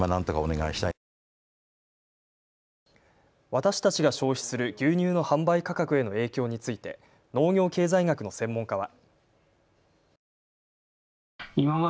私たちが消費する牛乳の販売価格への影響について農業経済学の専門家は。